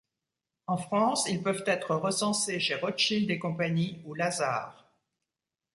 En France, ils peuvent être recensés chez Rothschild & Cie ou Lazard.